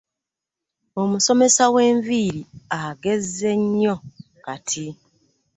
Omusomesa w'enviiri agezze nnyo kati